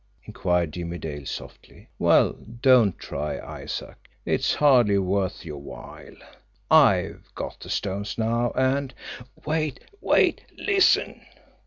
inquired Jimmie Dale softly. "Well, don't try, Isaac; it's hardly worth your while. I'VE got the stones now, and " "Wait! Wait! Listen!"